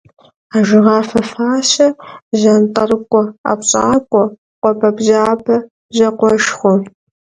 Ажэгъафэ фащае, жьантӏэрыкӏуэ ӏэпщакӏуэ, къуэбэбжьабэ бжьакъуэшхуэ.